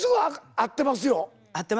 合ってます。